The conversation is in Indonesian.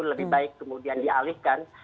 lebih baik kemudian dialihkan